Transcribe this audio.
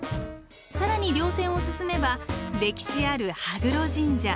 更に稜線を進めば歴史ある羽黒神社。